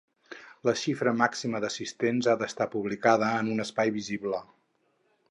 La xifra màxima d’assistents ha d’estar publicada en un espai visible.